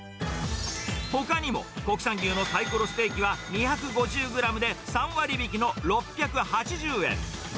ほかにも国産牛のサイコロステーキは、２５０グラムで３割引きの６８０円。